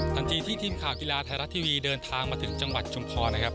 ทันทีที่ทีมข่าวกีฬาไทยรัฐทีวีเดินทางมาถึงจังหวัดชุมพรนะครับ